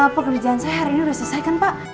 pekerjaan saya hari ini sudah selesai kan pak